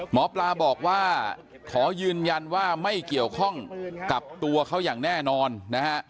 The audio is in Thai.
หมอปลาบอกว่าขอยืนยันว่าไม่เกี่ยวข้องกับตัวเขาอย่างแน่นอนนะฮะ